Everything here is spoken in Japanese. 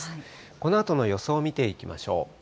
このあとの予想を見ていきましょう。